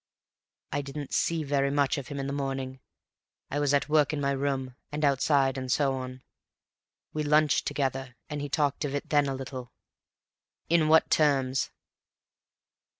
"I didn't see very much of him in the morning. I was at work in my room, and outside, and so on. We lunched together and he talked of it then a little." "In what terms?"